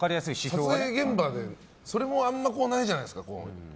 撮影現場で、それもあんまりないじゃないですか。